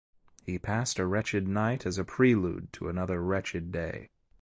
He passed a wretched night as a prelude to another wretched day.